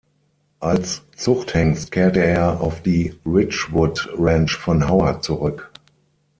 Als Zuchthengst kehrte er auf die Ridgewood Ranch von Howard zurück.